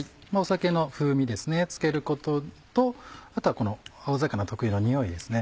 酒の風味ですねつけることとあとはこの青魚特有のにおいですね